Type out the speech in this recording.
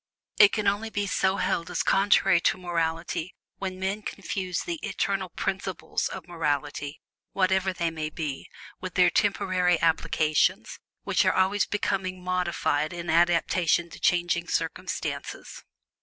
It can only be so held as contrary to morality when men confuse the eternal principles of morality, whatever they may be, with their temporary applications, which are always becoming modified in adaptation to changing circumstances.